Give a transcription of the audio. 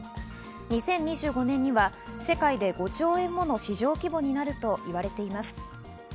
２０２５年には世界で５兆円もの市場規模になると言われています。